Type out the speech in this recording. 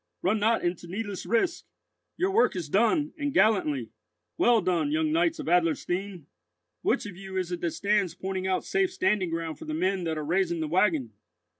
Run not into needless risk! Your work is done, and gallantly. Well done, young knights of Adlerstein! Which of you is it that stands pointing out safe standing ground for the men that are raising the waggon?